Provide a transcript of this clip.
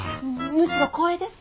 むしろ光栄です！